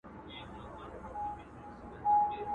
چي تر کومي اندازې مو قدر شان وو!